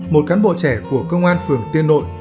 một cán bộ trẻ của công an phường tiên nội